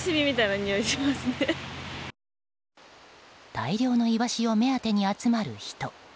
大量のイワシを目当てに集まる人。